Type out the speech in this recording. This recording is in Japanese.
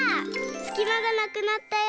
すきまがなくなったよ！